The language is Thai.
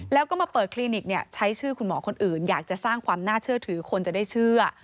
แล้วก็มาเปิดคลินิกใช้ชื่อคุณหมอคนอื่นอยากจะสร้างความน่าเชื่อถือคนจะได้เชื่อ